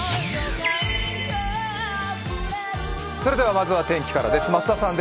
まずは天気からです。